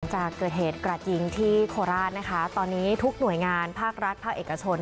จากเกิดเหตุกระดยิงที่โคราชนะคะตอนนี้ทุกหน่วยงานภาครัฐภาคเอกชน